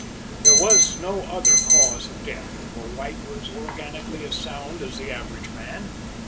There was no other cause of death, for White was organically as sound as the average man.